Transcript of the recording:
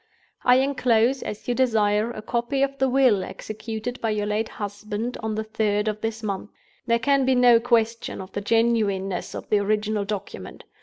"I enclose, as you desire, a copy of the Will executed by your late husband on the third of this month. There can be no question of the genuineness of the original document.